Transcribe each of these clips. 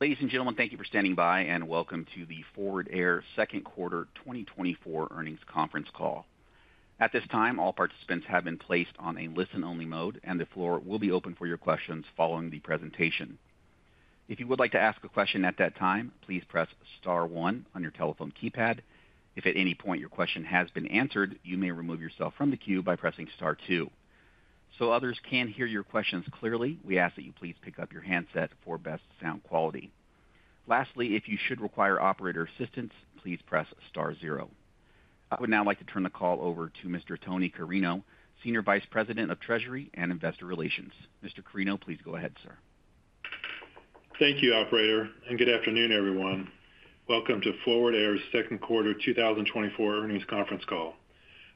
Ladies and gentlemen, thank you for standing by, and welcome to the Forward Air second quarter 2024 earnings conference call. At this time, all participants have been placed on a listen-only mode, and the floor will be open for your questions following the presentation. If you would like to ask a question at that time, please press star one on your telephone keypad. If at any point your question has been answered, you may remove yourself from the queue by pressing star two. So others can hear your questions clearly, we ask that you please pick up your handset for best sound quality. Lastly, if you should require operator assistance, please press star zero. I would now like to turn the call over to Mr. Tony Carreno, Senior Vice President of Treasury and Investor Relations. Mr. Carrino, please go ahead, sir. Thank you, operator, and good afternoon, everyone. Welcome to Forward Air's second quarter 2024 earnings conference call.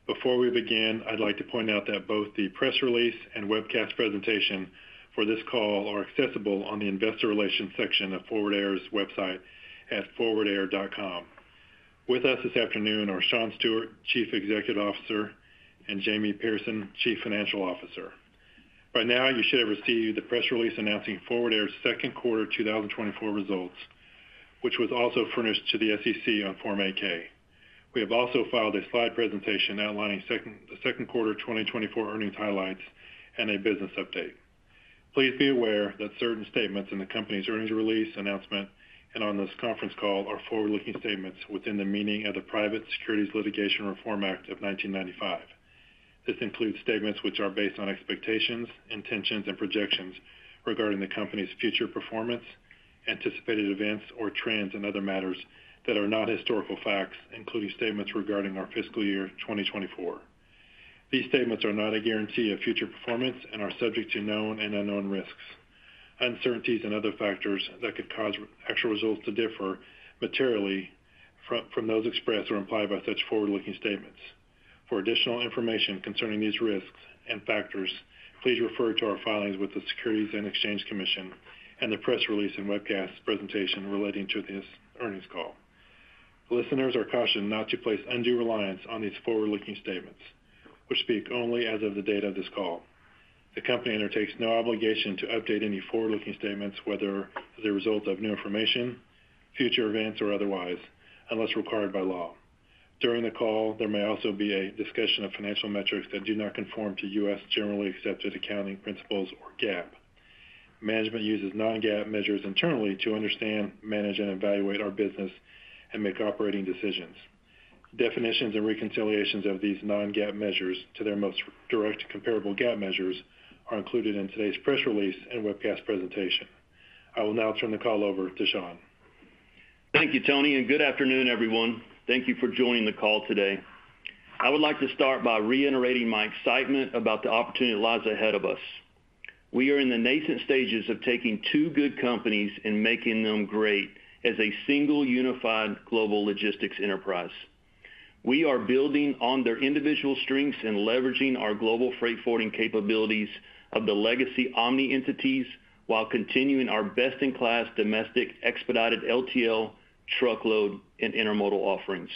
Before we begin, I'd like to point out that both the press release and webcast presentation for this call are accessible on the Investor Relations section of Forward Air's website at forwardair.com. With us this afternoon are Shawn Stewart, Chief Executive Officer, and Jamie Pierson, Chief Financial Officer. By now, you should have received the press release announcing Forward Air's second quarter 2024 results, which was also furnished to the SEC on Form 8-K. We have also filed a slide presentation outlining the second quarter 2024 earnings highlights and a business update. Please be aware that certain statements in the company's earnings release announcement and on this conference call are forward-looking statements within the meaning of the Private Securities Litigation Reform Act of 1995. This includes statements which are based on expectations, intentions, and projections regarding the company's future performance, anticipated events or trends, and other matters that are not historical facts, including statements regarding our fiscal year 2024. These statements are not a guarantee of future performance and are subject to known and unknown risks, uncertainties, and other factors that could cause actual results to differ materially from those expressed or implied by such forward-looking statements. For additional information concerning these risks and factors, please refer to our filings with the Securities and Exchange Commission and the press release and webcast presentation relating to this earnings call. Listeners are cautioned not to place undue reliance on these forward-looking statements, which speak only as of the date of this call. The company undertakes no obligation to update any forward-looking statements, whether as a result of new information, future events, or otherwise, unless required by law. During the call, there may also be a discussion of financial metrics that do not conform to U.S. Generally Accepted Accounting Principles, or GAAP. Management uses non-GAAP measures internally to understand, manage, and evaluate our business and make operating decisions. Definitions and reconciliations of these non-GAAP measures to their most direct comparable GAAP measures are included in today's press release and webcast presentation. I will now turn the call over to Shawn. Thank you, Tony, and good afternoon, everyone. Thank you for joining the call today. I would like to start by reiterating my excitement about the opportunity that lies ahead of us. We are in the nascent stages of taking two good companies and making them great as a single, unified global logistics enterprise. We are building on their individual strengths and leveraging our global freight forwarding capabilities of the legacy Omni entities while continuing our best-in-class domestic expedited LTL, truckload, and intermodal offerings.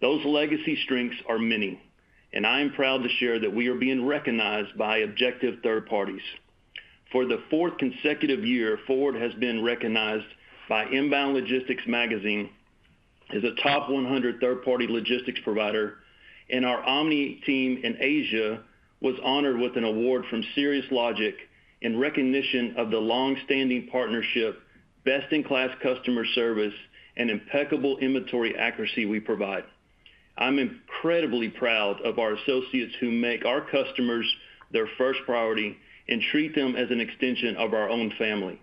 Those legacy strengths are many, and I am proud to share that we are being recognized by objective third parties. For the fourth consecutive year, Forward Air has been recognized by Inbound Logistics as a top 100 third-party logistics provider, and our Omni team in Asia was honored with an award from Cirrus Logic in recognition of the long-standing partnership, best-in-class customer service, and impeccable inventory accuracy we provide. I'm incredibly proud of our associates who make our customers their first priority and treat them as an extension of our own family.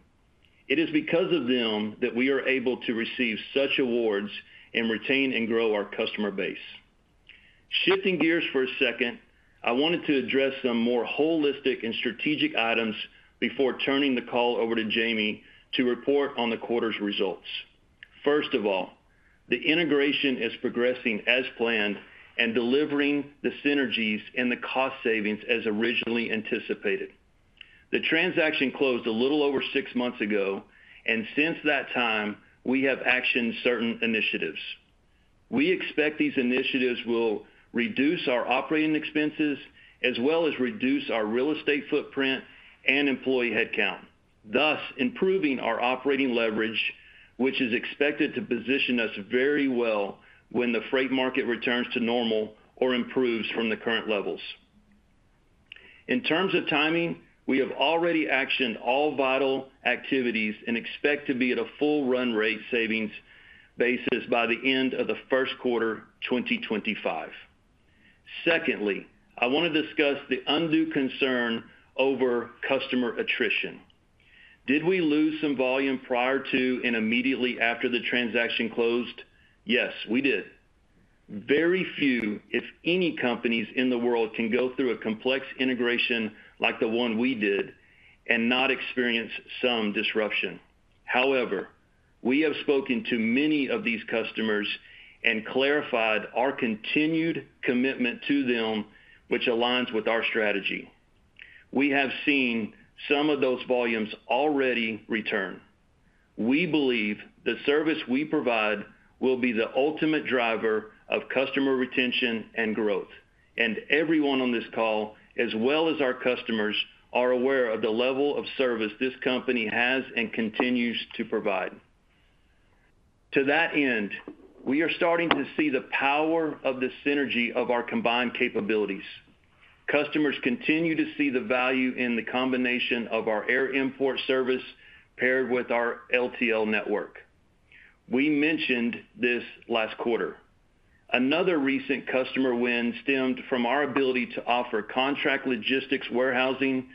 It is because of them that we are able to receive such awards and retain and grow our customer base. Shifting gears for a second, I wanted to address some more holistic and strategic items before turning the call over to Jamie to report on the quarter's results. First of all, the integration is progressing as planned and delivering the synergies and the cost savings as originally anticipated. The transaction closed a little over six months ago, and since that time, we have actioned certain initiatives. We expect these initiatives will reduce our operating expenses as well as reduce our real estate footprint and employee headcount, thus improving our operating leverage, which is expected to position us very well when the freight market returns to normal or improves from the current levels. In terms of timing, we have already actioned all vital activities and expect to be at a full run rate savings basis by the end of the first quarter 2025. Secondly, I want to discuss the undue concern over customer attrition. Did we lose some volume prior to and immediately after the transaction closed? Yes, we did. Very few, if any, companies in the world can go through a complex integration like the one we did and not experience some disruption. However, we have spoken to many of these customers and clarified our continued commitment to them, which aligns with our strategy. We have seen some of those volumes already return... We believe the service we provide will be the ultimate driver of customer retention and growth. Everyone on this call, as well as our customers, are aware of the level of service this company has and continues to provide. To that end, we are starting to see the power of the synergy of our combined capabilities. Customers continue to see the value in the combination of our air import service paired with our LTL network. We mentioned this last quarter. Another recent customer win stemmed from our ability to offer contract logistics, warehousing,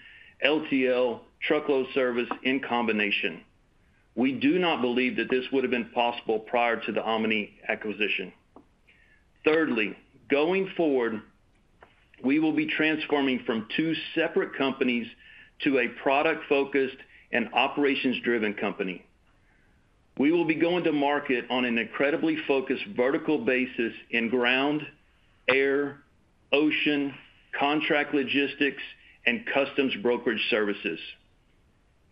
LTL, truckload service in combination. We do not believe that this would have been possible prior to the Omni acquisition. Thirdly, going forward, we will be transforming from two separate companies to a product-focused and operations-driven company. We will be going to market on an incredibly focused vertical basis in ground, air, ocean, contract logistics, and customs brokerage services.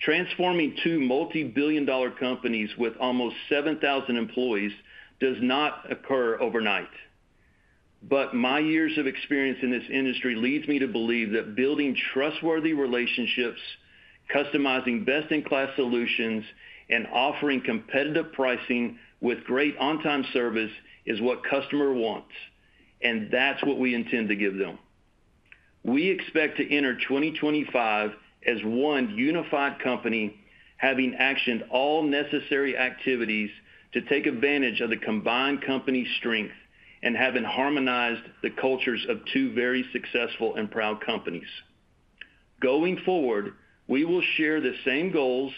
Transforming two multi-billion dollar companies with almost 7,000 employees does not occur overnight. But my years of experience in this industry leads me to believe that building trustworthy relationships, customizing best-in-class solutions, and offering competitive pricing with great on-time service is what customer wants, and that's what we intend to give them. We expect to enter 2025 as one unified company, having actioned all necessary activities to take advantage of the combined company's strength and having harmonized the cultures of two very successful and proud companies. Going forward, we will share the same goals,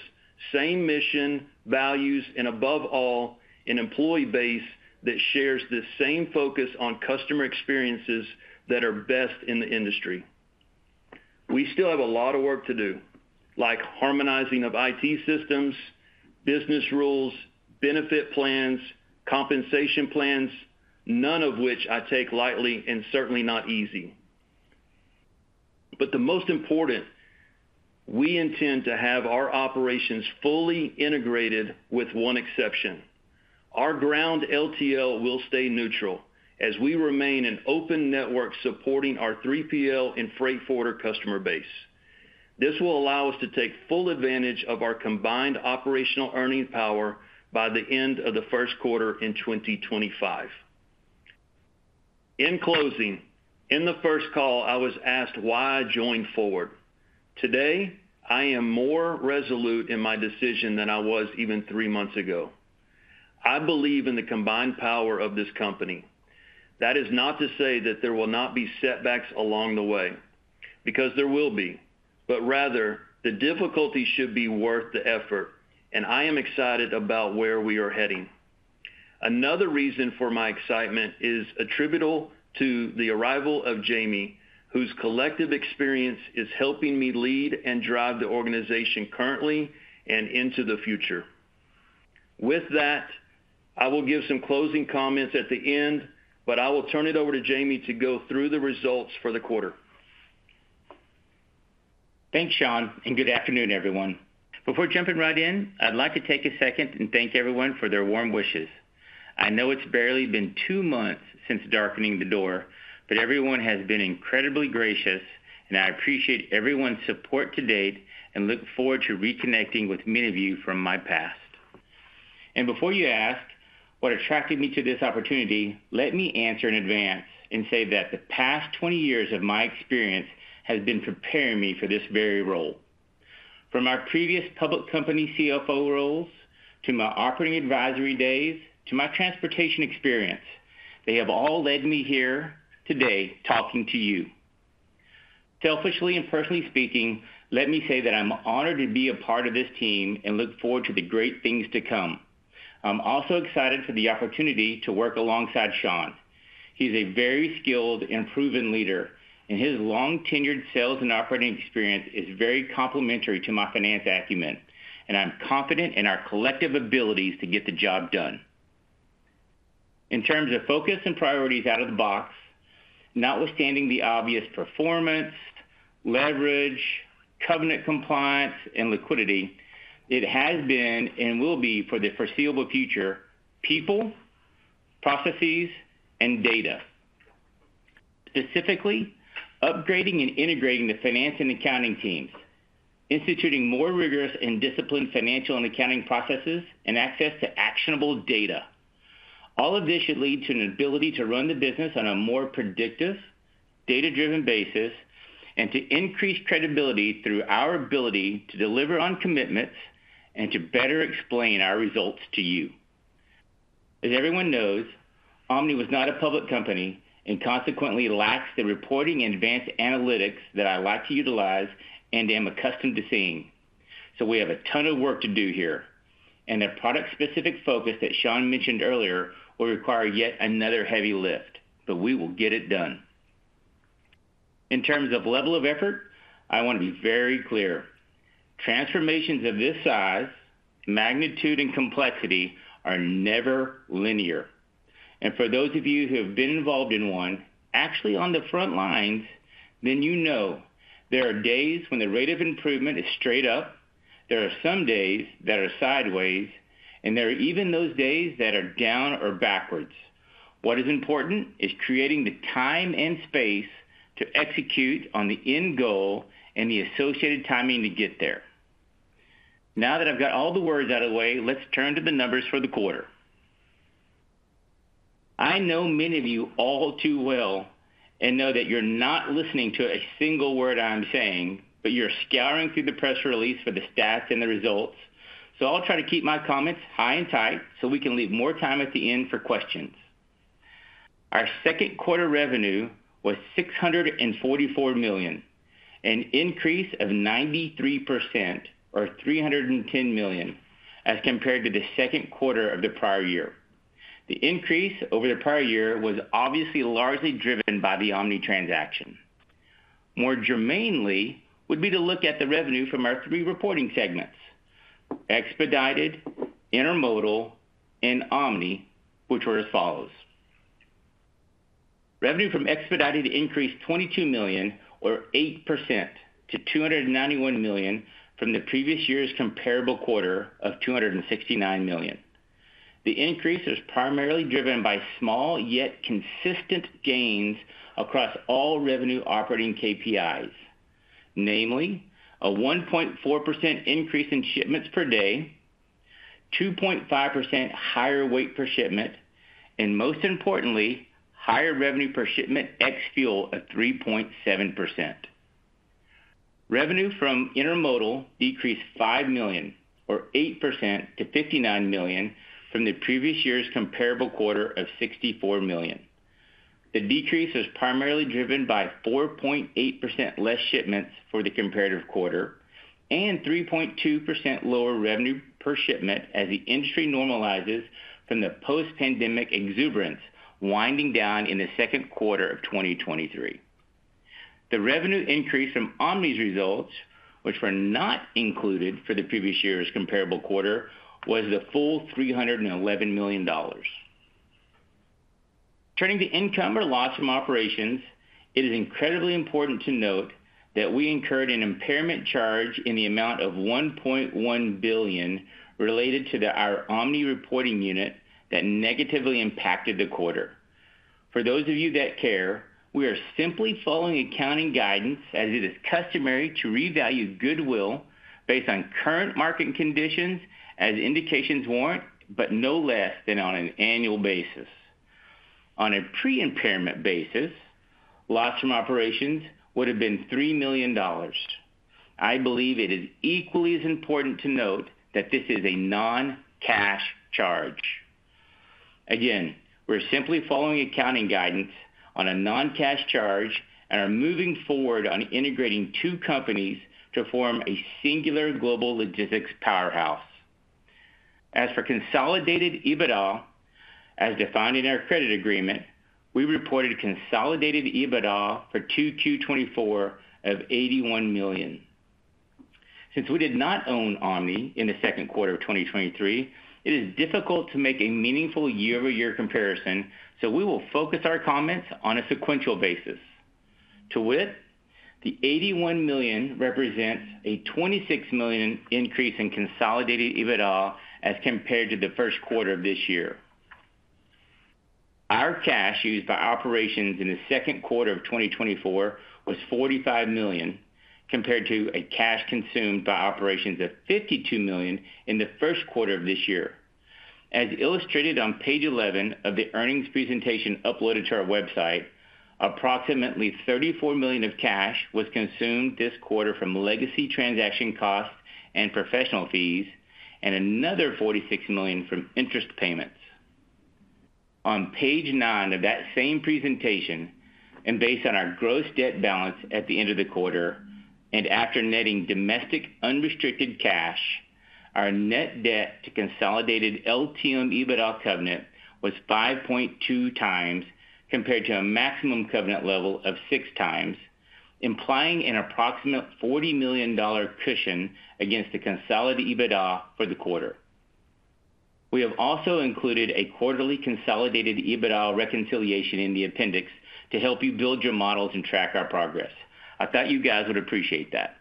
same mission, values, and above all, an employee base that shares the same focus on customer experiences that are best in the industry. We still have a lot of work to do, like harmonizing of IT systems, business rules, benefit plans, compensation plans, none of which I take lightly and certainly not easy. But the most important, we intend to have our operations fully integrated with one exception. Our ground LTL will stay neutral as we remain an open network supporting our 3PL and freight forwarder customer base. This will allow us to take full advantage of our combined operational earning power by the end of the first quarter in 2025. In closing, in the first call, I was asked why I joined Forward. Today, I am more resolute in my decision than I was even three months ago. I believe in the combined power of this company. That is not to say that there will not be setbacks along the way, because there will be, but rather, the difficulty should be worth the effort, and I am excited about where we are heading. Another reason for my excitement is attributable to the arrival of Jamie, whose collective experience is helping me lead and drive the organization currently and into the future. With that, I will give some closing comments at the end, but I will turn it over to Jamie to go through the results for the quarter. Thanks, Shawn, and good afternoon, everyone. Before jumping right in, I'd like to take a second and thank everyone for their warm wishes. I know it's barely been two months since darkening the door, but everyone has been incredibly gracious, and I appreciate everyone's support to date and look forward to reconnecting with many of you from my past. Before you ask, what attracted me to this opportunity, let me answer in advance and say that the past 20 years of my experience has been preparing me for this very role. From my previous public company CFO roles, to my operating advisory days, to my transportation experience, they have all led me here today, talking to you. Selfishly and personally speaking, let me say that I'm honored to be a part of this team and look forward to the great things to come. I'm also excited for the opportunity to work alongside Shawn. He's a very skilled and proven leader, and his long-tenured sales and operating experience is very complementary to my finance acumen, and I'm confident in our collective abilities to get the job done. In terms of focus and priorities out of the box, notwithstanding the obvious performance, leverage, covenant compliance, and liquidity, it has been and will be for the foreseeable future, people, processes, and data. Specifically, upgrading and integrating the finance and accounting teams, instituting more rigorous and disciplined financial and accounting processes, and access to actionable data. All of this should lead to an ability to run the business on a more predictive, data-driven basis, and to increase credibility through our ability to deliver on commitments and to better explain our results to you. As everyone knows, Omni was not a public company and consequently lacks the reporting and advanced analytics that I like to utilize and am accustomed to seeing. So we have a ton of work to do here, and the product-specific focus that Shawn mentioned earlier will require yet another heavy lift, but we will get it done. In terms of level of effort, I want to be very clear. Transformations of this size, magnitude, and complexity are never linear... And for those of you who have been involved in one, actually on the front lines, then you know there are days when the rate of improvement is straight up, there are some days that are sideways, and there are even those days that are down or backwards. What is important is creating the time and space to execute on the end goal and the associated timing to get there. Now that I've got all the words out of the way, let's turn to the numbers for the quarter. I know many of you all too well, and know that you're not listening to a single word I'm saying, but you're scouring through the press release for the stats and the results. So I'll try to keep my comments high and tight, so we can leave more time at the end for questions. Our second quarter revenue was $644 million, an increase of 93% or $310 million as compared to the second quarter of the prior year. The increase over the prior year was obviously largely driven by the Omni transaction. More germane, would be to look at the revenue from our three reporting segments: Expedited, Intermodal, and Omni, which were as follows: Revenue from Expedited increased $22 million or 8% to $291 million from the previous year's comparable quarter of $269 million. The increase is primarily driven by small yet consistent gains across all revenue operating KPIs. Namely, a 1.4% increase in shipments per day, 2.5% higher weight per shipment, and most importantly, higher revenue per shipment ex fuel at 3.7%. Revenue from Intermodal decreased $5 million or 8% to $59 million from the previous year's comparable quarter of $64 million. The decrease is primarily driven by 4.8% less shipments for the comparative quarter and 3.2% lower revenue per shipment as the industry normalizes from the post-pandemic exuberance, winding down in the second quarter of 2023. The revenue increase from Omni's results, which were not included for the previous year's comparable quarter, was the full $311 million. Turning to income or loss from operations, it is incredibly important to note that we incurred an impairment charge in the amount of $1.1 billion, related to the, our Omni reporting unit that negatively impacted the quarter. For those of you that care, we are simply following accounting guidance as it is customary to revalue goodwill based on current market conditions as indications warrant, but no less than on an annual basis. On a pre-impairment basis, loss from operations would have been $3 million. I believe it is equally as important to note that this is a non-cash charge. Again, we're simply following accounting guidance on a non-cash charge and are moving forward on integrating two companies to form a singular global logistics powerhouse. As for consolidated EBITDA, as defined in our credit agreement, we reported consolidated EBITDA for 2Q 2024 of $81 million. Since we did not own Omni in the second quarter of 2023, it is difficult to make a meaningful year-over-year comparison, so we will focus our comments on a sequential basis. To wit, the $81 million represents a $26 million increase in consolidated EBITDA as compared to the first quarter of this year. Our cash used by operations in the second quarter of 2024 was $45 million, compared to a cash consumed by operations of $52 million in the first quarter of this year. As illustrated on page 11 of the earnings presentation uploaded to our website, approximately $34 million of cash was consumed this quarter from legacy transaction costs and professional fees, and another $46 million from interest payments. On page 9 of that same presentation, and based on our gross debt balance at the end of the quarter and after netting domestic unrestricted cash, our net debt to consolidated LTM EBITDA covenant was 5.2x, compared to a maximum covenant level of 6x, implying an approximate $40 million cushion against the consolidated EBITDA for the quarter. We have also included a quarterly consolidated EBITDA reconciliation in the appendix to help you build your models and track our progress. I thought you guys would appreciate that.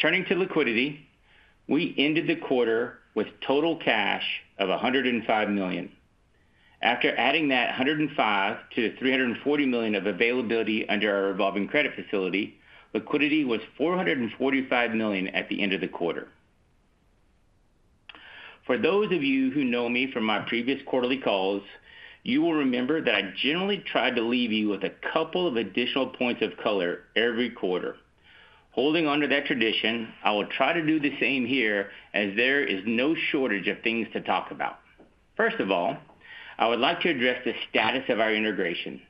Turning to liquidity, we ended the quarter with total cash of $105 million. After adding that $105 million to $340 million of availability under our revolving credit facility, liquidity was $445 million at the end of the quarter. For those of you who know me from my previous quarterly calls, you will remember that I generally try to leave you with a couple of additional points of color every quarter. Holding on to that tradition, I will try to do the same here, as there is no shortage of things to talk about. First of all, I would like to address the status of our integration.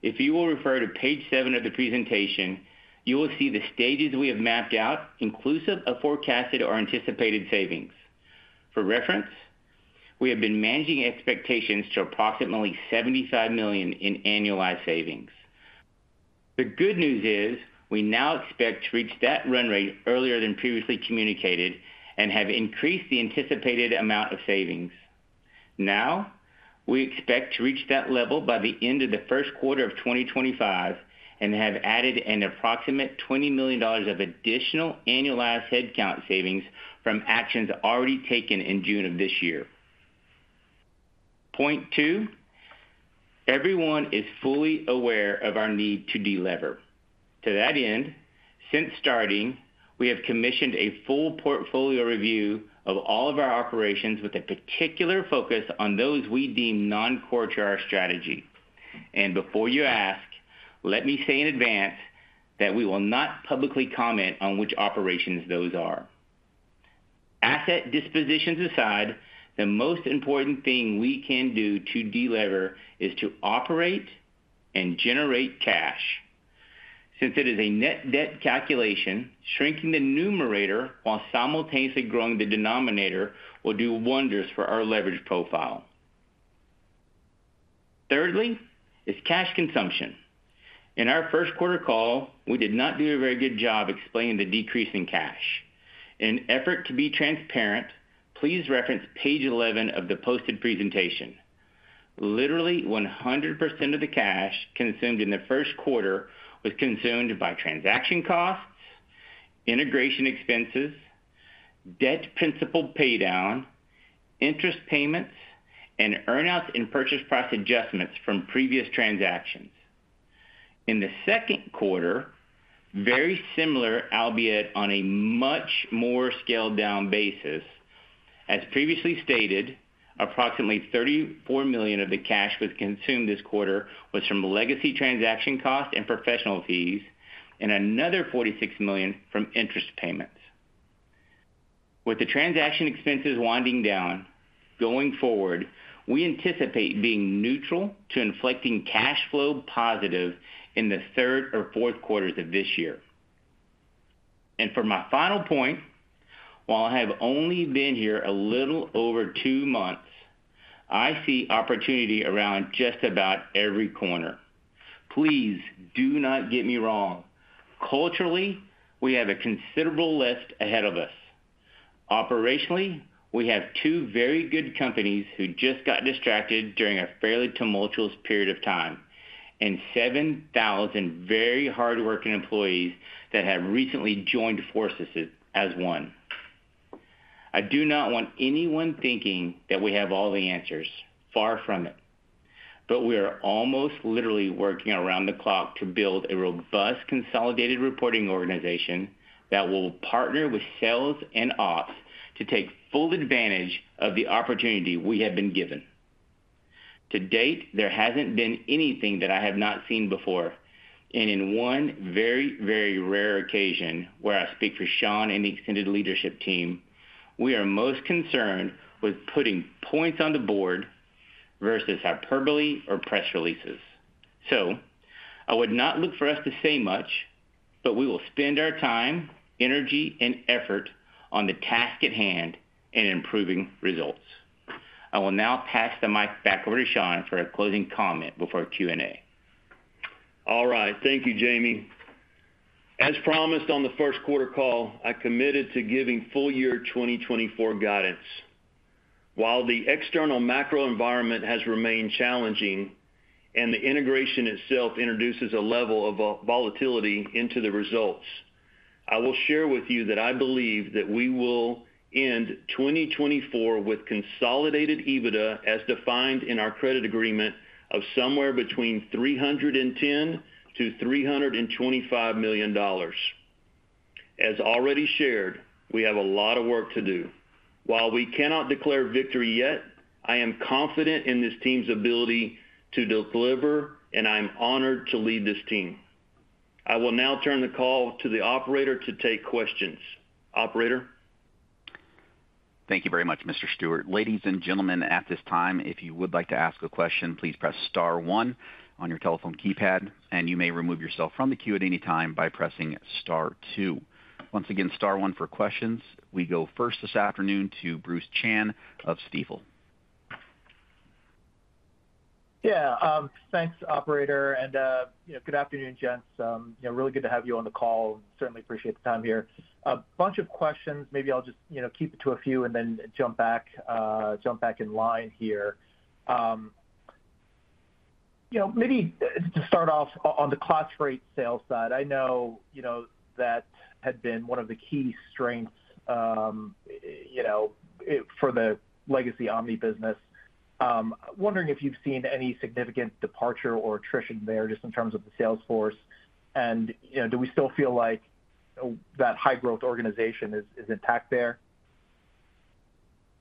If you will refer to page 7 of the presentation, you will see the stages we have mapped out, inclusive of forecasted or anticipated savings. For reference, we have been managing expectations to approximately $75 million in annualized savings. The good news is, we now expect to reach that run rate earlier than previously communicated and have increased the anticipated amount of savings. Now, we expect to reach that level by the end of the first quarter of 2025, and have added an approximate $20 million of additional annualized headcount savings from actions already taken in June of this year. Point two, everyone is fully aware of our need to delever. To that end, since starting, we have commissioned a full portfolio review of all of our operations with a particular focus on those we deem non-core to our strategy. Before you ask, let me say in advance that we will not publicly comment on which operations those are. Asset dispositions aside, the most important thing we can do to delever is to operate and generate cash. Since it is a net debt calculation, shrinking the numerator while simultaneously growing the denominator will do wonders for our leverage profile. Thirdly, is cash consumption. In our first quarter call, we did not do a very good job explaining the decrease in cash. In an effort to be transparent, please reference page 11 of the posted presentation. Literally, 100% of the cash consumed in the first quarter was consumed by transaction costs, integration expenses, debt principal pay down, interest payments, and earnouts in purchase price adjustments from previous transactions. In the second quarter, very similar, albeit on a much more scaled-down basis. As previously stated, approximately $34 million of the cash was consumed this quarter was from legacy transaction costs and professional fees, and another $46 million from interest payments. With the transaction expenses winding down, going forward, we anticipate being neutral to inflecting cash flow positive in the third or fourth quarters of this year. For my final point, while I have only been here a little over two months, I see opportunity around just about every corner. Please, do not get me wrong. Culturally, we have a considerable lift ahead of us. Operationally, we have two very good companies who just got distracted during a fairly tumultuous period of time, and 7,000 very hardworking employees that have recently joined forces as, as one. I do not want anyone thinking that we have all the answers. Far from it, but we are almost literally working around the clock to build a robust consolidated reporting organization that will partner with sales and ops to take full advantage of the opportunity we have been given. To date, there hasn't been anything that I have not seen before, and in one very, very rare occasion, where I speak for Shawn and the extended leadership team, we are most concerned with putting points on the board versus hyperbole or press releases. So I would not look for us to say much, but we will spend our time, energy, and effort on the task at hand in improving results. I will now pass the mic back over to Shawn for a closing comment before Q&A. All right. Thank you, Jamie. As promised on the first quarter call, I committed to giving full year 2024 guidance. While the external macro environment has remained challenging and the integration itself introduces a level of volatility into the results, I will share with you that I believe that we will end 2024 with consolidated EBITDA, as defined in our credit agreement, of somewhere between $310 million-$325 million. As already shared, we have a lot of work to do. While we cannot declare victory yet, I am confident in this team's ability to deliver, and I'm honored to lead this team. I will now turn the call to the operator to take questions. Operator? Thank you very much, Mr. Stewart. Ladies and gentlemen, at this time, if you would like to ask a question, please press star one on your telephone keypad, and you may remove yourself from the queue at any time by pressing star two. Once again, star one for questions. We go first this afternoon to Bruce Chan of Stifel. Yeah, thanks, operator, and, you know, good afternoon, gents. You know, really good to have you on the call. Certainly appreciate the time here. A bunch of questions. Maybe I'll just, you know, keep it to a few and then jump back, jump back in line here. You know, maybe to start off on the class rate sales side, I know, you know, that had been one of the key strengths, you know, it for the legacy Omni business. Wondering if you've seen any significant departure or attrition there, just in terms of the sales force, and, you know, do we still feel like that high-growth organization is intact there?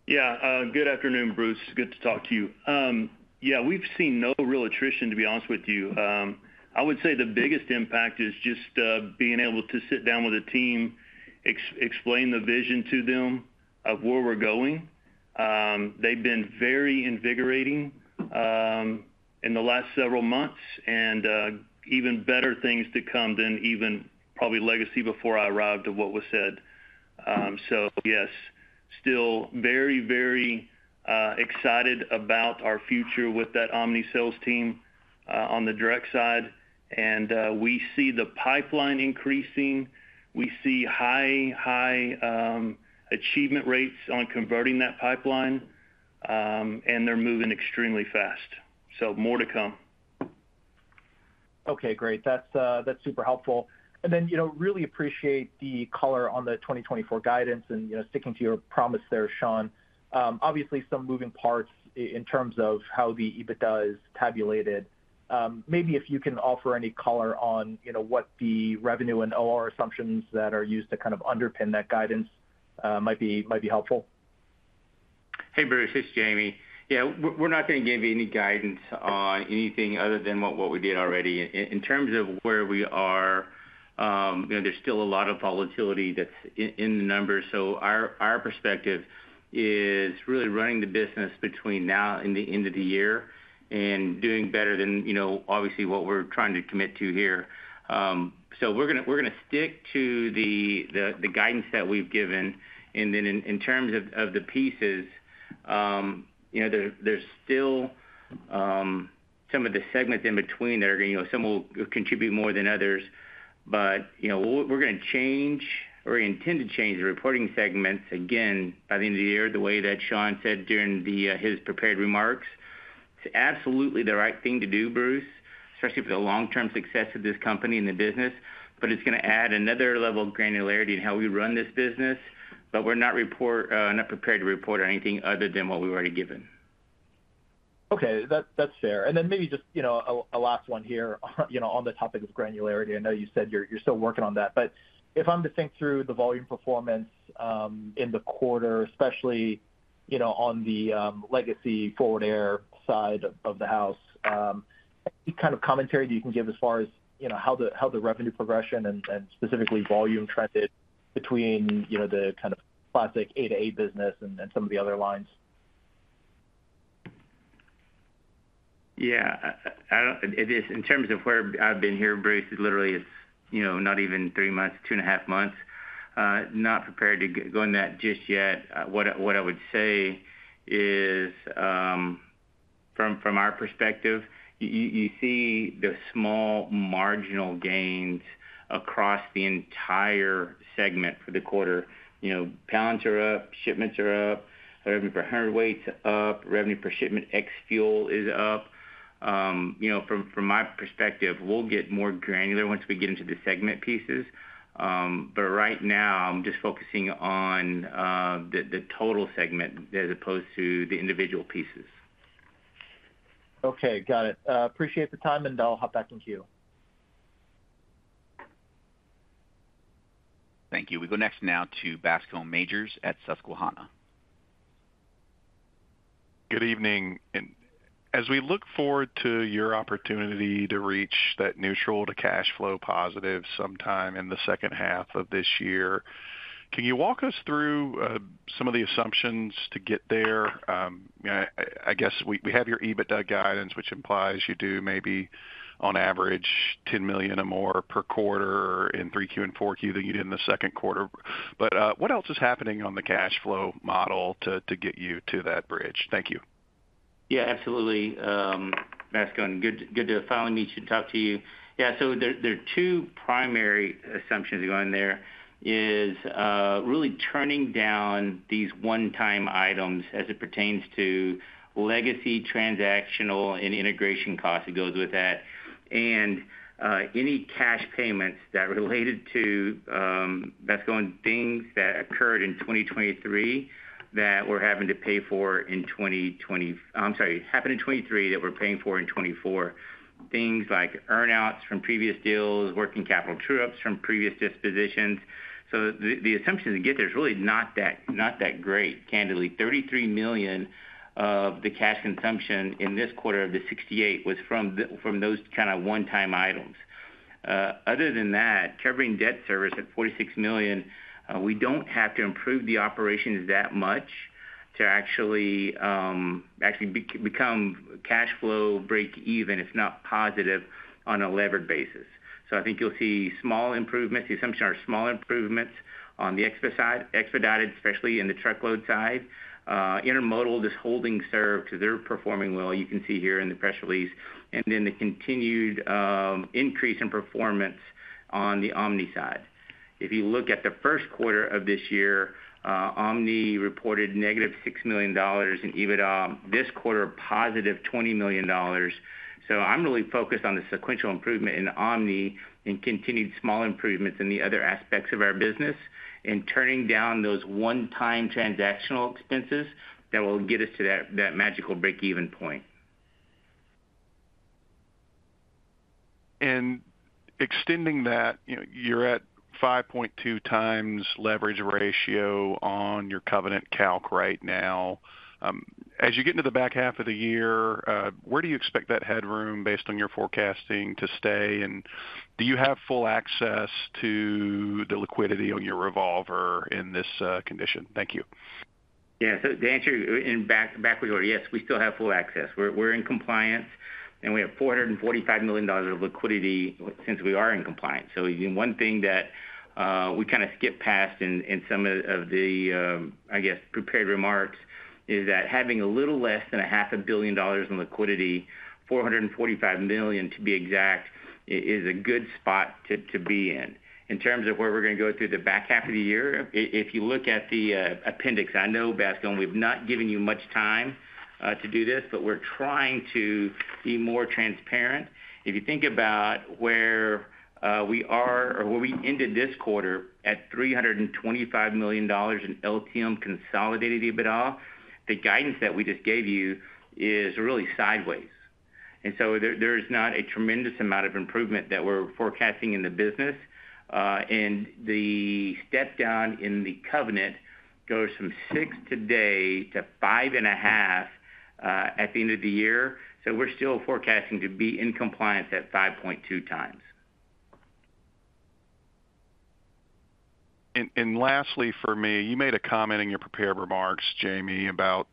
Yeah, good afternoon, Bruce. Good to talk to you. Yeah, we've seen no real attrition, to be honest with you. I would say the biggest impact is just being able to sit down with a team, explain the vision to them of where we're going. They've been very invigorating in the last several months and even better things to come than even probably legacy before I arrived of what was said. So yes still very, very, excited about our future with that Omni sales team, on the direct side. And, we see the pipeline increasing. We see high, high, achievement rates on converting that pipeline, and they're moving extremely fast. So more to come. Okay, great. That's super helpful. And then, you know, really appreciate the color on the 2024 guidance and, you know, sticking to your promise there, Shawn. Obviously some moving parts in terms of how the EBITDA is tabulated. Maybe if you can offer any color on, you know, what the revenue and OR assumptions that are used to kind of underpin that guidance might be, might be helpful. Hey, Bruce, it's Jamie. Yeah, we're not going to give you any guidance on anything other than what we did already. In terms of where we are, you know, there's still a lot of volatility that's in the numbers. So our perspective is really running the business between now and the end of the year and doing better than, you know, obviously, what we're trying to commit to here. So we're going to stick to the guidance that we've given. And then in terms of the pieces, you know, there's still some of the segments in between that are, you know, some will contribute more than others. But, you know, we're going to change or intend to change the reporting segments again by the end of the year, the way that Shawn said during the his prepared remarks. It's absolutely the right thing to do, Bruce, especially for the long-term success of this company and the business, but it's going to add another level of granularity in how we run this business. But we're not prepared to report on anything other than what we've already given. Okay, that's fair. And then maybe just, you know, a last one here, you know, on the topic of granularity. I know you said you're still working on that, but if I'm to think through the volume performance in the quarter, especially, you know, on the legacy Forward Air side of the house, any kind of commentary that you can give as far as, you know, how the revenue progression and specifically volume trended between, you know, the kind of classic A-to-A business and then some of the other lines? Yeah, I don't in terms of where I've been here, Bruce, literally, it's, you know, not even three months, 2.5 months, not prepared to go into that just yet. What I would say is, from our perspective, you see the small marginal gains across the entire segment for the quarter. You know, pounds are up, shipments are up, revenue per hundredweight is up, revenue per shipment ex fuel is up. You know, from my perspective, we'll get more granular once we get into the segment pieces. But right now, I'm just focusing on the total segment as opposed to the individual pieces. Okay, got it. Appreciate the time, and I'll hop back in queue. Thank you. We go next now to Bascome Majors at Susquehanna. Good evening. As we look forward to your opportunity to reach that neutral to cash flow positive sometime in the second half of this year, can you walk us through some of the assumptions to get there? I guess we have your EBITDA guidance, which implies you do maybe on average $10 million or more per quarter in 3Q and 4Q than you did in the second quarter. What else is happening on the cash flow model to get you to that bridge? Thank you. Yeah, absolutely, Bascome, and good, good to finally meet you and talk to you. Yeah, so there, there are two primary assumptions going there, is, really turning down these one-time items as it pertains to legacy, transactional, and integration costs that goes with that, and, any cash payments that related to, Bascome and things that occurred in 2023, that we're having to pay for in-- I'm sorry, happened in 2023, that we're paying for in 2024. Things like earnouts from previous deals, working capital true-ups from previous dispositions. So the, the assumption to get there is really not that, not that great, candidly. $33 million of the cash consumption in this quarter of the $68 was from the-- from those kind of one-time items. Other than that, covering debt service at $46 million, we don't have to improve the operations that much to actually become cash flow break even, if not positive, on a levered basis. So I think you'll see small improvements. The assumptions are small improvements on the expo side, Expedited, especially in the truckload side. Intermodal just holding serve because they're performing well, you can see here in the press release, and then the continued increase in performance on the Omni side. If you look at the first quarter of this year, Omni reported -$6 million in EBITDA, this quarter, +$20 million. So I'm really focused on the sequential improvement in Omni and continued small improvements in the other aspects of our business, and turning down those one-time transactional expenses that will get us to that magical break-even point. And extending that, you know, you're at 5.2x leverage ratio on your covenant calc right now. As you get into the back half of the year, where do you expect that headroom based on your forecasting to stay? And do you have full access to the liquidity on your revolver in this condition? Thank you.... Yeah, so the answer in backwards order, yes, we still have full access. We're in compliance, and we have $445 million of liquidity since we are in compliance. So one thing that we kind of skipped past in some of the, I guess, prepared remarks, is that having a little less than $500 million in liquidity, $445 million, to be exact, is a good spot to be in. In terms of where we're going to go through the back half of the year, if you look at the appendix, I know, Bascome, we've not given you much time to do this, but we're trying to be more transparent. If you think about where we are or where we ended this quarter at $325 million in LTM consolidated EBITDA, the guidance that we just gave you is really sideways. And so there, there is not a tremendous amount of improvement that we're forecasting in the business. And the step down in the covenant goes from 6x today to 5.5x at the end of the year. So we're still forecasting to be in compliance at 5.2x. And lastly, for me, you made a comment in your prepared remarks, Jamie, about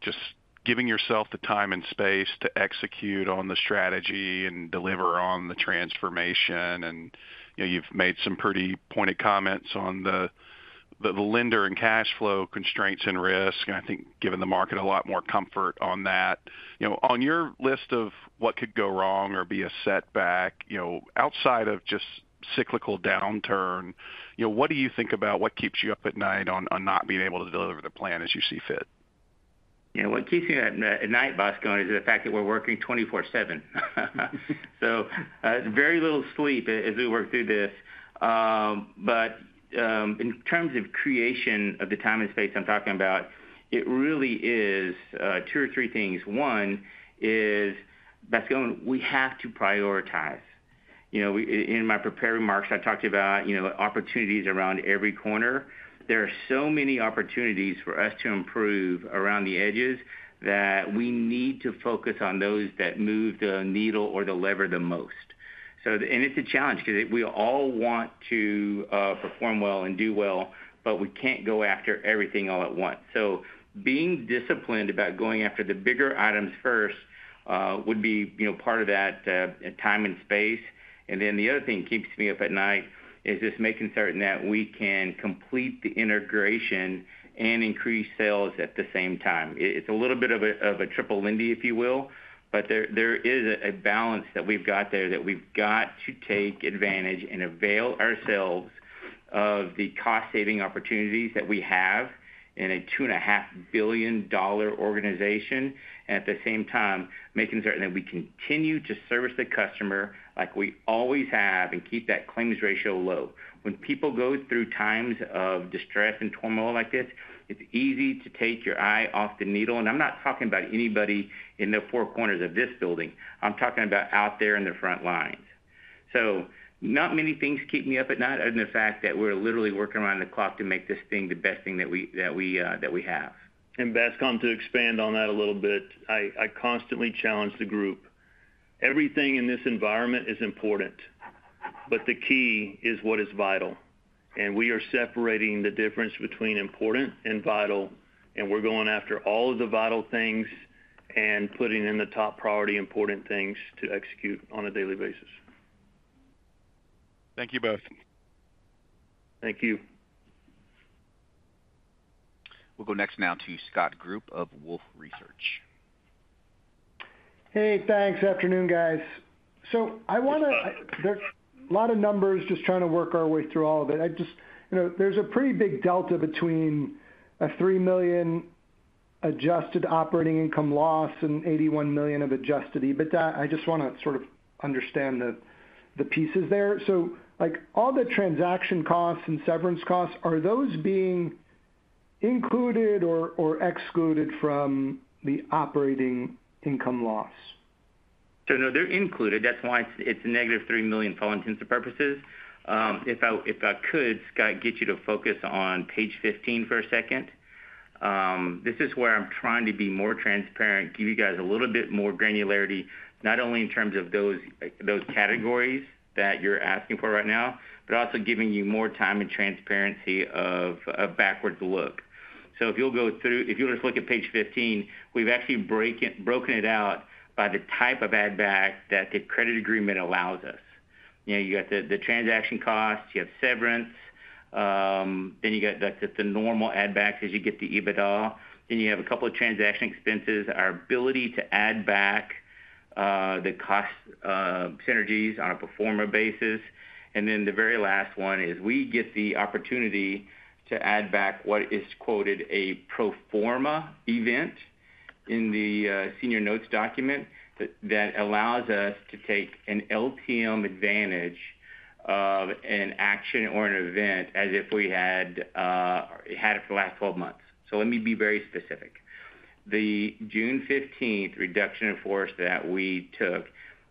just giving yourself the time and space to execute on the strategy and deliver on the transformation. And, you know, you've made some pretty pointed comments on the lender and cash flow constraints and risk, and I think given the market a lot more comfort on that. You know, on your list of what could go wrong or be a setback, you know, outside of just cyclical downturn, you know, what do you think about what keeps you up at night on not being able to deliver the plan as you see fit? Yeah, what keeps me up at night, Bascome, is the fact that we're working 24/7. So, very little sleep as we work through this. But, in terms of creation of the time and space I'm talking about, it really is, two or three things. One is, Bascome, we have to prioritize. You know, we in my prepared remarks, I talked about, you know, opportunities around every corner. There are so many opportunities for us to improve around the edges that we need to focus on those that move the needle or the lever the most. So, and it's a challenge because we all want to perform well and do well, but we can't go after everything all at once. So being disciplined about going after the bigger items first would be, you know, part of that time and space. And then the other thing that keeps me up at night is just making certain that we can complete the integration and increase sales at the same time. It, it's a little bit of a, of a triple whammy, if you will, but there is a balance that we've got there that we've got to take advantage of and avail ourselves of the cost-saving opportunities that we have in a $2.5 billion organization. At the same time, making certain that we continue to service the customer like we always have, and keep that claims ratio low. When people go through times of distress and turmoil like this, it's easy to take your eye off the needle. I'm not talking about anybody in the four corners of this building. I'm talking about out there in the front lines. Not many things keep me up at night, other than the fact that we're literally working around the clock to make this thing the best thing that we have. And Bascome, to expand on that a little bit, I, I constantly challenge the group. Everything in this environment is important, but the key is what is vital. And we are separating the difference between important and vital, and we're going after all of the vital things and putting in the top priority, important things to execute on a daily basis. Thank you both. Thank you. We'll go next now to Scott Group of Wolfe Research. Hey, thanks. Afternoon, guys. So I want to. There's a lot of numbers, just trying to work our way through all of it. I just. You know, there's a pretty big delta between a $3 million adjusted operating income loss and $81 million of adjusted EBITDA. I just want to sort of understand the pieces there. So, like, all the transaction costs and severance costs, are those being included or excluded from the operating income loss? So no, they're included. That's why it's, it's a -$3 million for all intents and purposes. If I, if I could, Scott, get you to focus on page 15 for a second. This is where I'm trying to be more transparent, give you guys a little bit more granularity, not only in terms of those, those categories that you're asking for right now, but also giving you more time and transparency of, of backwards look. So if you'll go through, if you'll just look at page 15, we've actually broken it out by the type of add back that the credit agreement allows us. You know, you got the transaction costs, you have severance, then you got the normal add backs as you get to EBITDA, then you have a couple of transaction expenses, our ability to add back the cost synergies on a pro forma basis. And then the very last one is we get the opportunity to add back what is quoted, a pro forma event in the senior notes document, that allows us to take an LTM advantage of an action or an event as if we had had it for the last 12 months. So let me be very specific. The June 15th reduction in force that we took,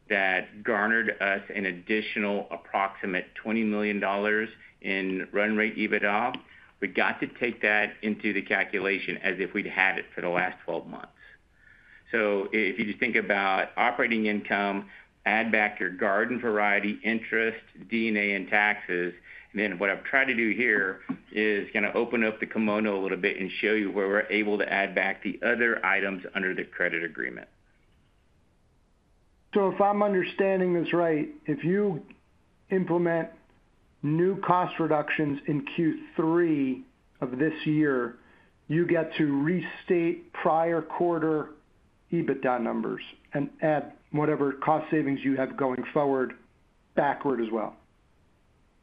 that garnered us an additional approximate $20 million in run rate EBITDA, we got to take that into the calculation as if we'd had it for the last 12 months. If you just think about operating income, add back your garden variety interest, D&A, and taxes, and then what I've tried to do here is kind of open up the kimono a little bit and show you where we're able to add back the other items under the credit agreement. If I'm understanding this right, if you implement new cost reductions in Q3 of this year, you get to restate prior quarter EBITDA numbers, and add whatever cost savings you have going forward, backward as well?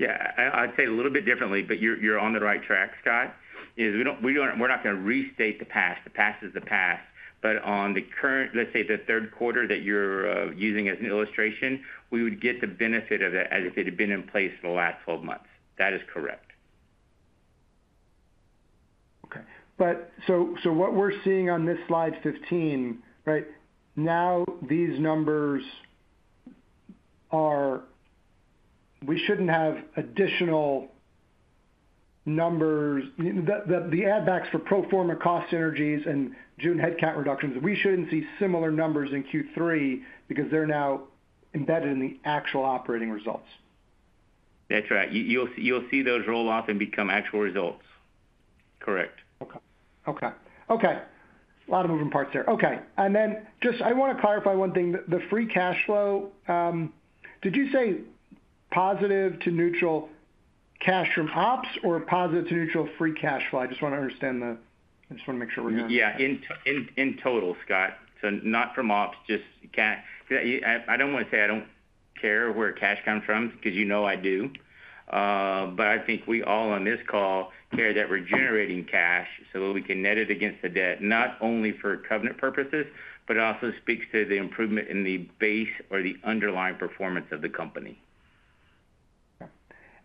Yeah, I'd say it a little bit differently, but you're on the right track, Scott. Yes, we don't restate the past. The past is the past, but on the current, let's say, the third quarter that you're using as an illustration, we would get the benefit of that as if it had been in place for the last 12 months. That is correct. Okay. But so, what we're seeing on this slide 15, right? Now, these numbers are... We shouldn't have additional numbers. The add backs for pro forma cost synergies and June headcount reductions, we shouldn't see similar numbers in Q3 because they're now embedded in the actual operating results. That's right. You, you'll see, you'll see those roll off and become actual results. Correct. Okay. Okay. Okay. A lot of moving parts there. Okay, and then just I want to clarify one thing, the free cash flow. Did you say positive to neutral cash from ops or positive to neutral free cash flow? I just want to understand the. I just want to make sure we're good. Yeah, in total, Scott. So not from ops, just I don't want to say I don't care where cash comes from, because you know I do. But I think we all on this call care that we're generating cash so that we can net it against the debt, not only for covenant purposes, but it also speaks to the improvement in the base or the underlying performance of the company.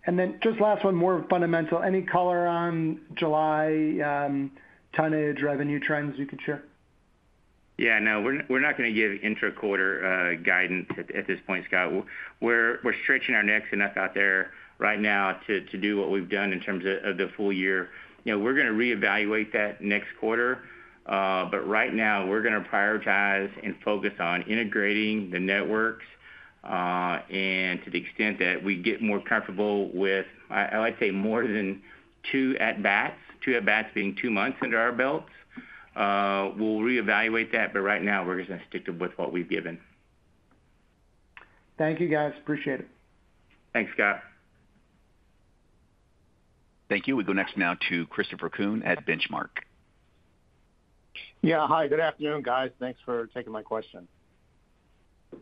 Okay. And then just last one, more fundamental. Any color on July, tonnage revenue trends you could share? Yeah, no, we're not, we're not going to give intra-quarter guidance at this point, Scott. We're stretching our necks enough out there right now to do what we've done in terms of the full year. You know, we're going to reevaluate that next quarter, but right now, we're going to prioritize and focus on integrating the networks, and to the extent that we get more comfortable with, I like to say more than two at-bats, two at-bats being two months under our belts, we'll reevaluate that, but right now, we're just going to stick to with what we've given. Thank you, guys. Appreciate it. Thanks, Scott. Thank you. We go next now to Christopher Kuhn at Benchmark. Yeah. Hi, good afternoon, guys. Thanks for taking my question.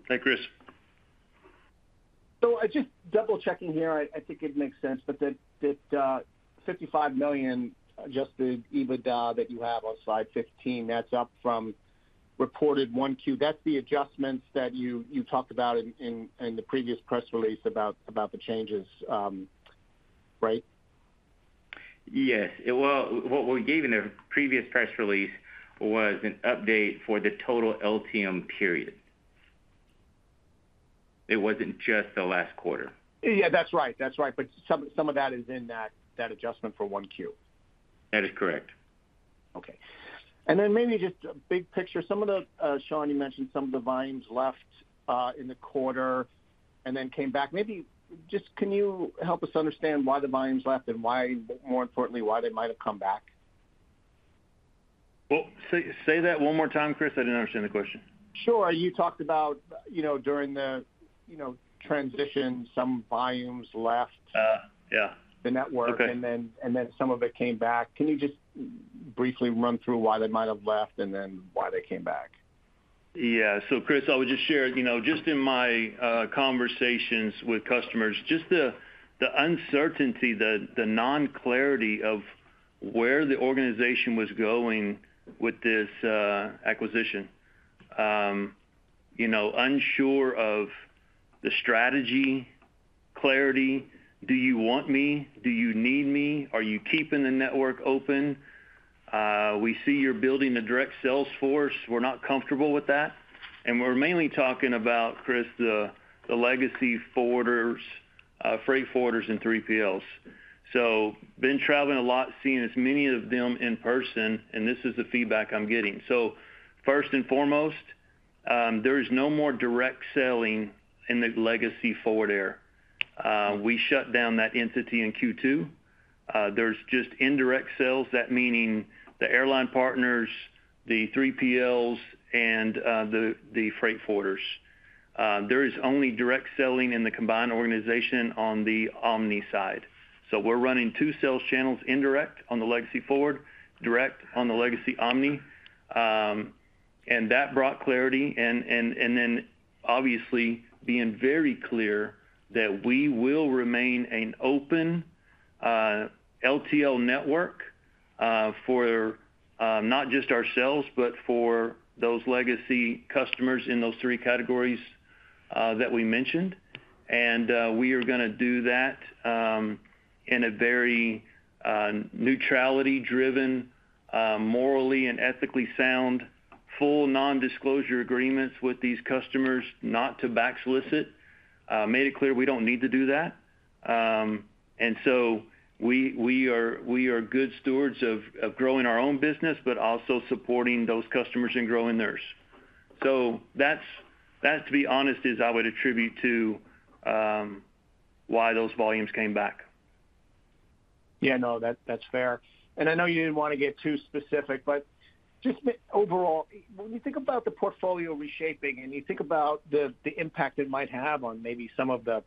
Hey, Chris. So I just double-checking here. I think it makes sense, but the $55 million adjusted EBITDA that you have on slide 15, that's up from reported 1Q. That's the adjustments that you talked about in the previous press release about the changes, right? Yes. Well, what we gave in the previous press release was an update for the total LTM period. It wasn't just the last quarter. Yeah, that's right. That's right. But some of that is in that adjustment for 1Q. That is correct. Okay. And then maybe just a big picture. Some of the, Shawn, you mentioned some of the volumes left in the quarter and then came back. Maybe just can you help us understand why the volumes left and why, more importantly, why they might have come back? Well, say, say that one more time, Chris. I didn't understand the question. Sure. You talked about, you know, during the, you know, transition, some volumes left- Ah, yeah... the network. Okay. Then some of it came back. Can you just briefly run through why they might have left and then why they came back? Yeah. So Chris, I would just share, you know, just in my conversations with customers, just the uncertainty, the non-clarity of where the organization was going with this acquisition. You know, unsure of the strategy, clarity. Do you want me? Do you need me? Are you keeping the network open? We see you're building a direct sales force. We're not comfortable with that. And we're mainly talking about, Chris, the legacy forwarders, freight forwarders and 3PLs. So been traveling a lot, seeing as many of them in person, and this is the feedback I'm getting. So first and foremost, there is no more direct selling in the legacy Forward Air. We shut down that entity in Q2. There's just indirect sales, that meaning the airline partners, the 3PLs, and the freight forwarders. There is only direct selling in the combined organization on the Omni side. So we're running two sales channels, indirect on the legacy Forward, direct on the legacy Omni, and that brought clarity and then obviously being very clear that we will remain an open LTL network for not just ourselves, but for those legacy customers in those three categories that we mentioned. And we are going to do that in a very neutrality-driven morally and ethically sound full non-disclosure agreements with these customers not to back solicit. Made it clear we don't need to do that. And so we are good stewards of growing our own business, but also supporting those customers and growing theirs. So that's that, to be honest, is what I would attribute to why those volumes came back. Yeah, no, that's fair. And I know you didn't want to get too specific, but just overall, when you think about the portfolio reshaping, and you think about the impact it might have on maybe some of the,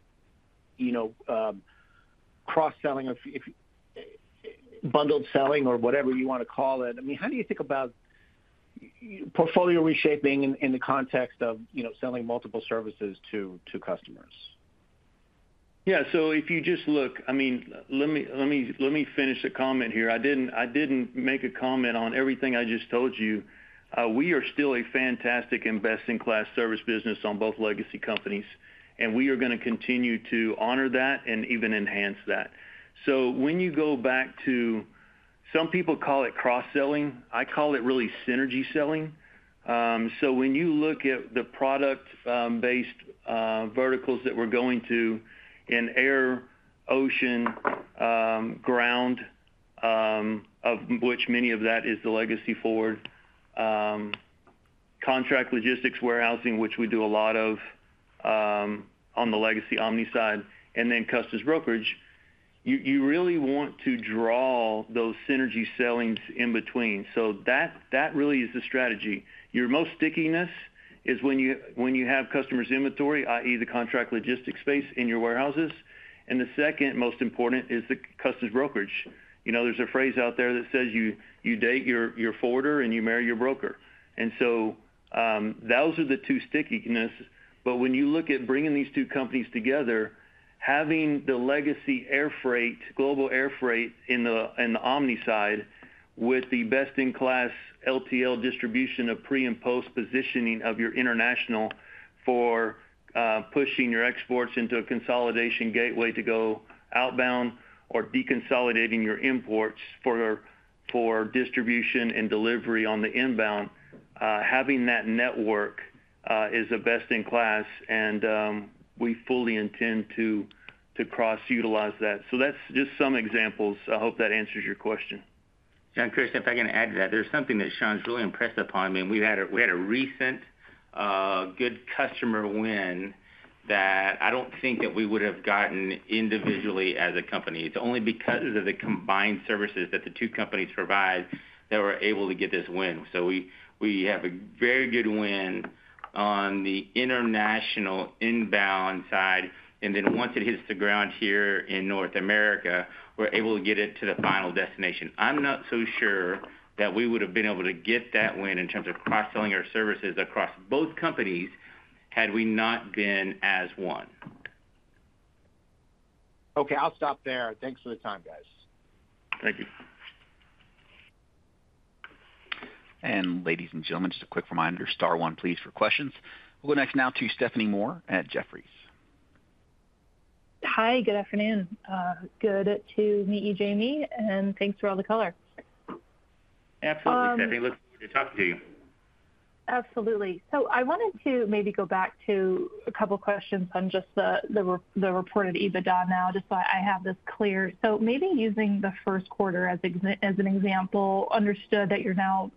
you know, cross-selling, if bundled selling or whatever you want to call it, I mean, how do you think about portfolio reshaping in the context of, you know, selling multiple services to customers? Yeah, so if you just look—I mean, let me finish the comment here. I didn't make a comment on everything I just told you. We are still a fantastic best-in-class service business on both legacy companies, and we are going to continue to honor that and even enhance that. So when you go back to some people call it cross-selling, I call it really synergy selling. So when you look at the product-based verticals that we're going to in air, ocean, ground, of which many of that is the legacy Forward, contract logistics, warehousing, which we do a lot of, on the legacy Omni side, and then customs brokerage, you really want to draw those synergy selling in between. So that really is the strategy. Your most stickiness is when you, when you have customers' inventory, i.e., the contract logistics space in your warehouses, and the second most important is the customs brokerage. You know, there's a phrase out there that says you, you date your, your forwarder and you marry your broker. And so, those are the two stickiness. But when you look at bringing these two companies together, having the legacy air freight, global air freight in the, in the omni side, with the best-in-class LTL distribution of pre- and post-positioning of your international for, pushing your exports into a consolidation gateway to go outbound or deconsolidating your imports for, for distribution and delivery on the inbound, having that network, is a best in class, and, we fully intend to, to cross-utilize that. So that's just some examples. I hope that answers your question. Yeah, and Chris, if I can add to that, there's something that Shawn's really impressed upon me, and we had a, we had a recent good customer win that I don't think that we would have gotten individually as a company. It's only because of the combined services that the two companies provide that we're able to get this win. So we, we have a very good win on the international inbound side, and then once it hits the ground here in North America, we're able to get it to the final destination. I'm not so sure that we would have been able to get that win in terms of cross-selling our services across both companies, had we not been as one. Okay, I'll stop there. Thanks for the time, guys. Thank you. Ladies and gentlemen, just a quick reminder: star one, please, for questions. We'll go next now to Stephanie Moore at Jefferies. Hi, good afternoon. Good to meet you, Jamie, and thanks for all the color. Absolutely, Stephanie. Looking forward to talking to you. Absolutely. So I wanted to maybe go back to a couple of questions on just the reported EBITDA now, just so I have this clear. So maybe using the first quarter as an example, understood that you're now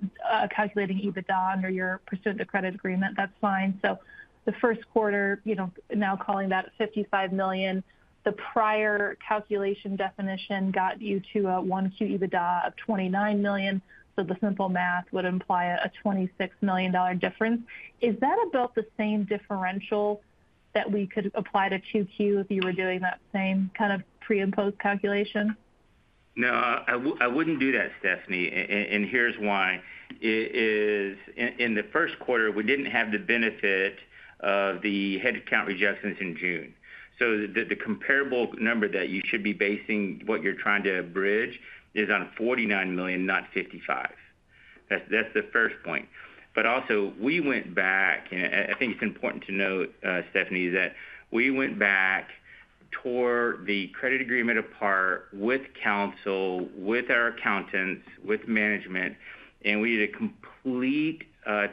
calculating EBITDA under your pursuant to credit agreement. That's fine. So the first quarter, you know, now calling that $55 million, the prior calculation definition got you to a 1Q EBITDA of $29 million. So the simple math would imply a $26 million difference. Is that about the same differential that we could apply to 2Q if you were doing that same kind of pre- and post-calculation? No, I wouldn't do that, Stephanie, and here's why. It is in the first quarter, we didn't have the benefit of the headcount rejections in June. So the comparable number that you should be basing what you're trying to bridge is on $49 million, not $55 million. That's the first point. But also we went back, and I think it's important to note, Stephanie, that we went back, tore the credit agreement apart with counsel, with our accountants, with management, and we did a complete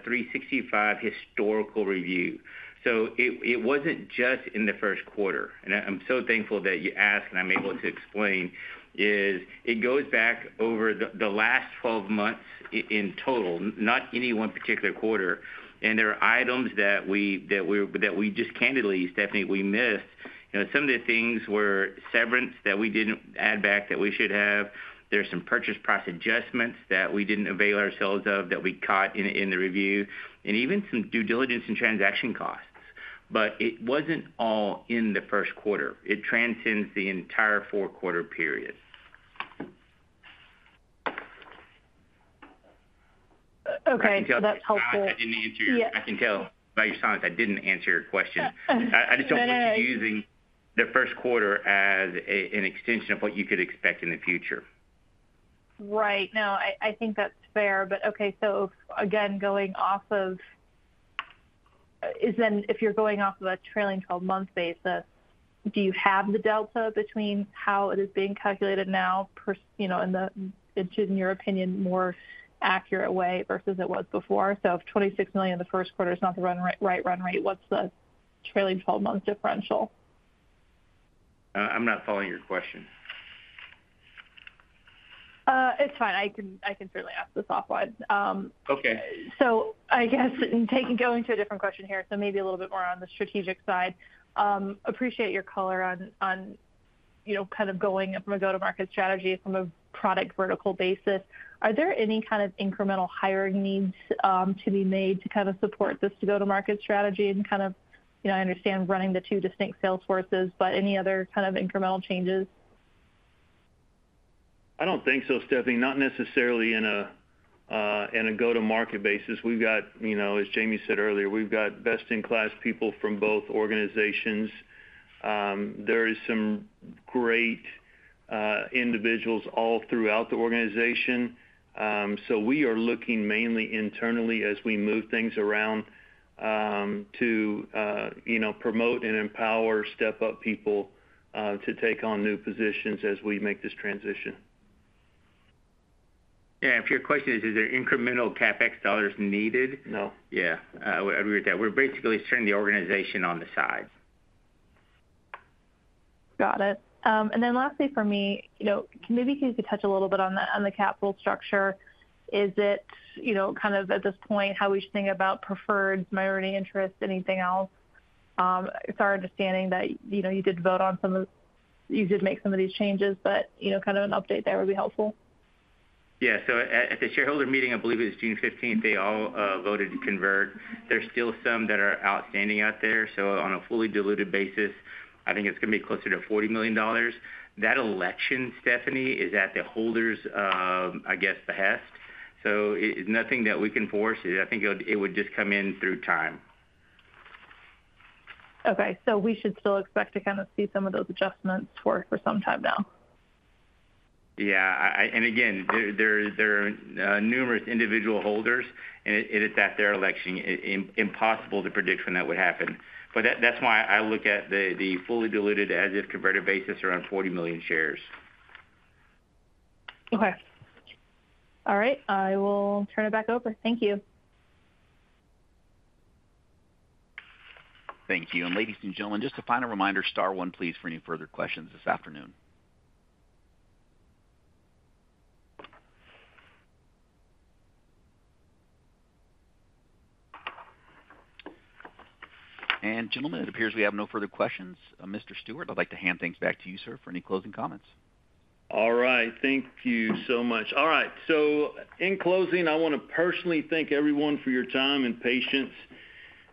365 historical review. So it wasn't just in the first quarter, and I'm so thankful that you asked, and I'm able to explain, is it goes back over the last 12 months in total, not any one particular quarter. And there are items that we just candidly, Stephanie, we missed. You know, some of the things were severance that we didn't add back, that we should have. There are some purchase price adjustments that we didn't avail ourselves of, that we caught in the review, and even some due diligence and transaction costs. But it wasn't all in the first quarter. It transcends the entire four-quarter period. Okay, that's helpful. I can tell by your silence, I didn't answer your- Yeah. I can tell by your silence I didn't answer your question. No, no, no. I just don't want you using the first quarter as an extension of what you could expect in the future. Right. No, I think that's fair, but okay, so again, going off of... Is then if you're going off of a trailing twelve-month basis, do you have the delta between how it is being calculated now, per, you know, in the, in your opinion, more accurate way versus it was before? So if $26 million in the first quarter is not the run rate, right run rate, what's the trailing twelve-month differential? I'm not following your question. ... It's fine. I can, I can certainly ask this offline. Okay. So I guess going to a different question here, so maybe a little bit more on the strategic side. Appreciate your color on, you know, kind of going from a go-to-market strategy from a product vertical basis. Are there any kind of incremental hiring needs to be made to kind of support this go-to-market strategy and kind of, you know, I understand running the two distinct sales forces, but any other kind of incremental changes? I don't think so, Stephanie, not necessarily in a go-to-market basis. We've got, you know, as Jamie said earlier, we've got best-in-class people from both organizations. There is some great individuals all throughout the organization. So we are looking mainly internally as we move things around, to, you know, promote and empower, step up people, to take on new positions as we make this transition. Yeah, if your question is, is there incremental CapEx dollars needed? No. Yeah, I agree with that. We're basically turning the organization on the side. Got it. And then lastly for me, you know, maybe you could touch a little bit on the, on the capital structure. Is it, you know, kind of at this point, how we should think about preferred, minority interest, anything else? It's our understanding that, you know, you did vote on some of, you did make some of these changes, but, you know, kind of an update there would be helpful. Yeah. So at the shareholder meeting, I believe it was June 15th, they all voted to convert. There's still some that are outstanding out there, so on a fully diluted basis, I think it's going to be closer to $40 million. That election, Stephanie, is at the holders' I guess behest. So it's nothing that we can force. I think it would just come in through time. Okay, so we should still expect to kind of see some of those adjustments for, for some time now? Yeah, and again, there are numerous individual holders, and it is at their election, impossible to predict when that would happen. But that's why I look at the fully diluted as if converted basis around 40 million shares. Okay. All right, I will turn it back over. Thank you. Thank you. Ladies and gentlemen, just a final reminder, star one, please, for any further questions this afternoon. Gentlemen, it appears we have no further questions. Mr. Stewart, I'd like to hand things back to you, sir, for any closing comments. All right. Thank you so much. All right, so in closing, I want to personally thank everyone for your time and patience,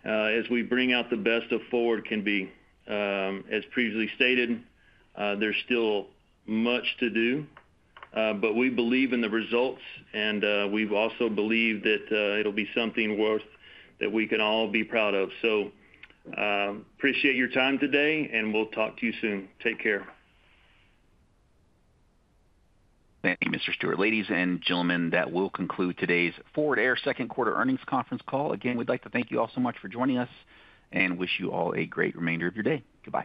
as we bring out the best of Forward Air can be. As previously stated, there's still much to do, but we believe in the results, and, we've also believed that, it'll be something worth that we can all be proud of. So, appreciate your time today, and we'll talk to you soon. Take care. Thank you, Mr. Stewart. Ladies and gentlemen, that will conclude today's Forward Air second quarter earnings conference call. Again, we'd like to thank you all so much for joining us, and wish you all a great remainder of your day. Goodbye.